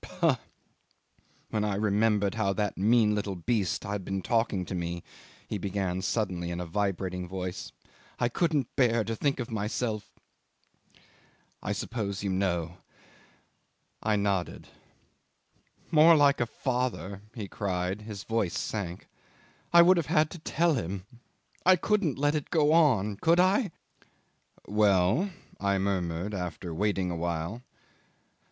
"Pah! When I remembered how that mean little beast had been talking to me," he began suddenly in a vibrating voice, "I couldn't bear to think of myself ... I suppose you know ..." I nodded. ... "More like a father," he cried; his voice sank. "I would have had to tell him. I couldn't let it go on could I?" "Well?" I murmured, after waiting a while.